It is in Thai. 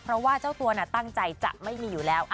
เพราะว่าเจ้าตัวตั้งใจจะไม่มีอยู่แล้ว